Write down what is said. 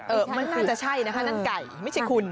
มันน่าจะใช่นะคะนั่นไก่ไม่ใช่คุณ